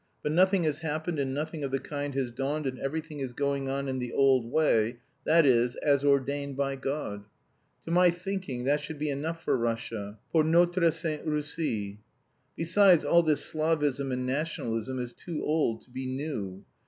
But nothing has happened and nothing of the kind has dawned and everything is going on in the old way, that is, as ordained by God. To my thinking that should be enough for Russia, pour notre Sainte Russie. Besides, all this Slavism and nationalism is too old to be new.